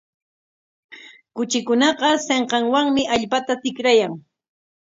Kuchikunaqa sinqanwanmi allpata tikrayan.